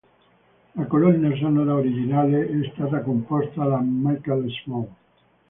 La colonna sonora originale è stata composta da Michael Small.